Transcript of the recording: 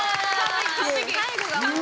完璧！